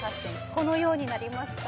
このようになりました。